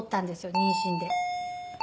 妊娠で。